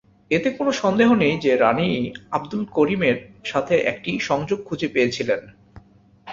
এতে কোনও সন্দেহ নেই যে রানী আবদুল করিমের সাথে একটি সংযোগ খুঁজে পেয়েছিলেন।